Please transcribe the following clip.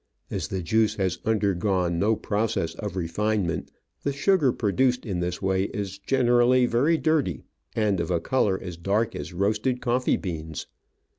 As the juice has undergone no process of refinement, the sugar produced in this way is generally very dirty, and of a colour as dark as roasted coffee beans.